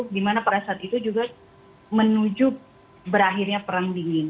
dimana pada saat itu juga menuju berakhirnya perang dingin